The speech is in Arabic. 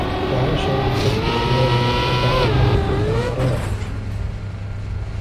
تعاشروا كالإخوان وتعاملوا كالأغراب